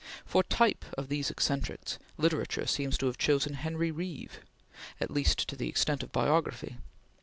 For type of these eccentrics, literature seems to have chosen Henry Reeve, at least to the extent of biography.